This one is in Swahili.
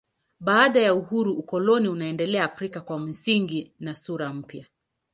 Baada ya uhuru ukoloni unaendelea Afrika kwa misingi na sura mpya.